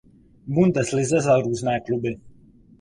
Bundeslize za různé kluby.